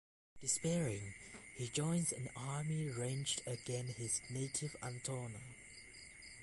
Despairing, he joins an army ranged against his native Antona.